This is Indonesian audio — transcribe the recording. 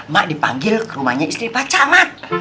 mak dipanggil ke rumahnya istri pak camat